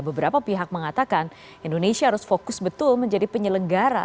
beberapa pihak mengatakan indonesia harus fokus betul menjadi penyelenggara